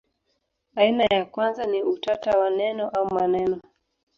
Aina ya kwanza ni utata wa neno au maneno.